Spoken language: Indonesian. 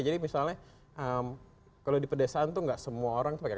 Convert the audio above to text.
jadi misalnya kalau di pedesaan tuh enggak semua orang bisa masuk